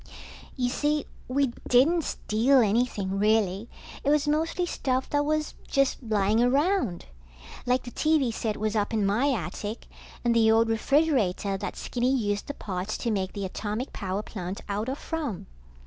You see, we didn't steal anything, really. It was mostly stuff that was just lying around. Like the TV set was up in my attic, and the old refrigerator that Skinny used the parts to make the atomic power plant out of from.